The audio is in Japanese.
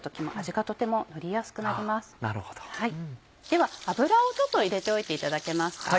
では油を入れておいていただけますか？